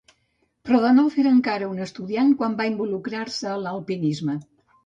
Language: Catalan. Prodanov era encara un estudiant quan va involucrar-se a l'alpinisme.